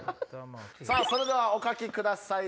それではお描きください